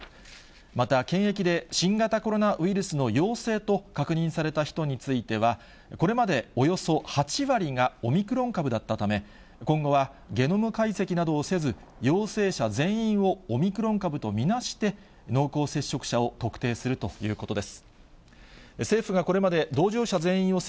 また、検疫で新型コロナウイルスの陽性と確認された人については、これまでおよそ８割がオミクロン株だったため、今後はゲノム解析などをせず、陽性者全員をオミクロン株と見なして、濃厚接触者を特定するということです。